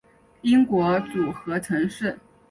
英国组合城市